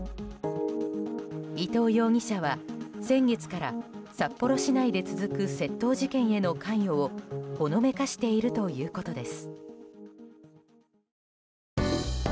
伊藤容疑者は先月から札幌市内で続く窃盗事件への関与をほのめかしているということです。